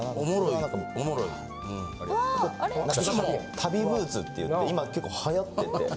足袋ブーツっていって今結構流行ってて。